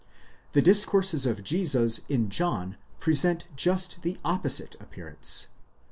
The discourses of Jesus in John present just the opposite appearance.